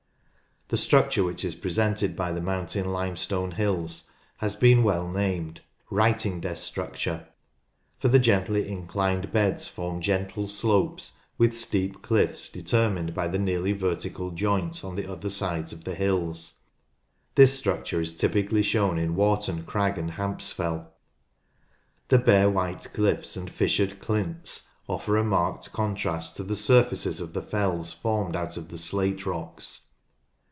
The structure which is presented by the mountain limestone hills has well been named "writing desk structure," for the gently inclined beds form gentle slopes, with steep cliffs determined by the nearly vertical joints on the other sides of the hills. This structure is typically shown in Warton Crag and Hampsfell (p. 28). The bare white cliffs and fissured "clints" offer a marked contrast to the surfaces of the fells formed out of the slate rocks.